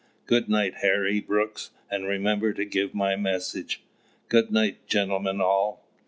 Good night, Harry Brooks, and remember to give my message! Good night, gentlemen all!"